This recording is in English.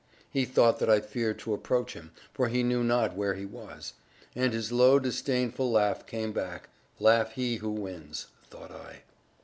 He thought that I feared to approach him, for he knew not where he was; and his low disdainful laugh came back. "Laugh he who wins," thought I.